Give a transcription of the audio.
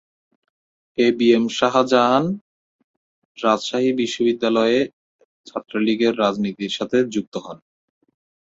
এ B M Shahjahan Rajshahi বিশ্ববিদ্যালয়ে ছাত্রলীগের রাজনীতির সাথে যুক্ত হন।